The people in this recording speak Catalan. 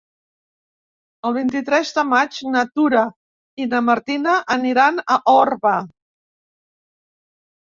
El vint-i-tres de maig na Tura i na Martina aniran a Orba.